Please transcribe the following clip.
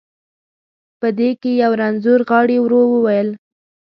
په دې کې یو رنځور غاړي، ورو وویل.